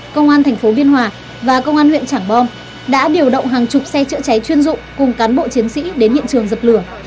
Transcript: công an thành phố biên hòa và công an huyện trảng bom đã điều động hàng chục xe chữa cháy chuyên dụng cùng cán bộ chiến sĩ đến hiện trường dập lửa